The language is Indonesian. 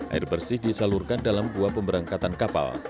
air bersih disalurkan dalam dua pemberangkatan kapal